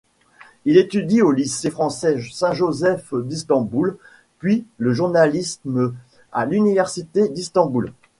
Il étudie au lycée français Saint-Joseph d'Istanbul, puis le journalisme à l'université d'Istanbul.